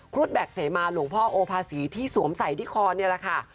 แบ็คเสมาหลวงพ่อโอภาษีที่สวมใส่ที่คอนี่แหละค่ะ